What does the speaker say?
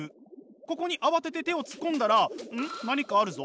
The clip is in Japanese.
ここに慌てて手を突っ込んだらんっ何かあるぞ。